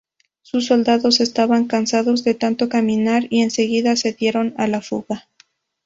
Sus soldados estaban cansados de tanto caminar y enseguida se dieron a la fuga.